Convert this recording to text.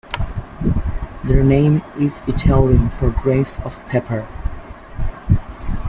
Their name is Italian for "grains of pepper".